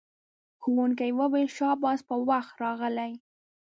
ښوونکی وویل شاباس په وخت راغلئ.